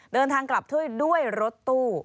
เดินทางกลับด้วยรถตู้